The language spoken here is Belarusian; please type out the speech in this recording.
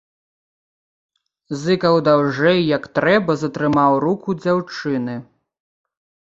Зыкаў даўжэй, як трэба, затрымаў руку дзяўчыны.